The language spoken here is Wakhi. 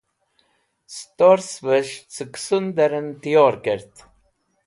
stors'ves̃h ca kusundr'en tyor kert